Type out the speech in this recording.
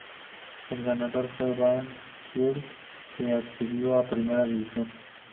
El ganador fue Banfield, que ascendió a Primera División.